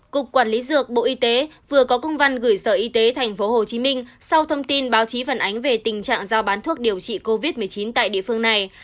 cục quản lý dược bộ y tế vừa có công văn gửi sở y tế tp hcm sau thông tin báo chí phản ánh về tình trạng giao bán thuốc điều trị covid một mươi chín tại địa phương này